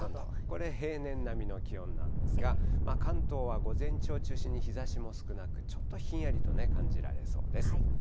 これ、平年並みの気温なんですが、関東は午前中を中心に、日ざしも少なく、ちょっとひんやりと感じられそうです。